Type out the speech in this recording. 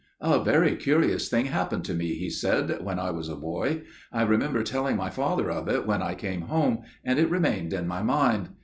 "A very curious thing happened to me," he said, "when I was a boy. I remember telling my father of it when I came home, and it remained in my mind.